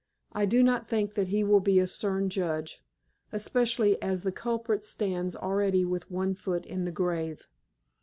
I do not think that he will be a stern judge, especially as the culprit stands already with one foot in the grave.